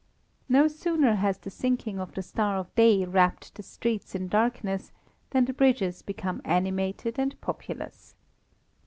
No sooner has the sinking of the star of day wrapped the streets in darkness than the bridges become animated and populous.